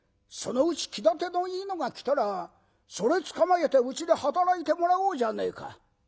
そのうち気立てのいいのが来たらそれつかまえてうちで働いてもらおうじゃねえか。